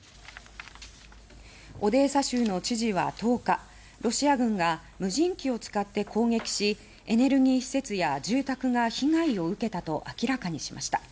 オデーサ州の知事は１０日ロシア軍が無人機を使って攻撃しエネルギー施設や住宅が被害を受けたと明らかにしました。